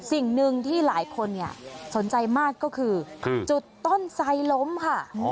สิ่งหนึ่งที่หลายคนสนใจมากก็คือจุดต้นไซล้มค่ะ